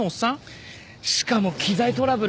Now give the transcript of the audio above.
しかも機材トラブルだってさ。